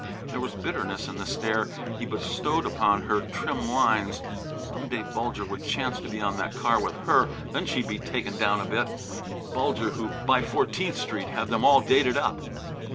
There was bitterness in the stare he bestowed upon her trim lines. Some day Bulger would chance to be on that car with her then she'd be taken down a bit Bulger who, by Fourteenth Street, had them all dated up.